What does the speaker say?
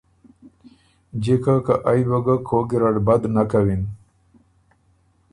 جِکه که ائ بُو ګه کوک ګېرډ بد نک کَوِن۔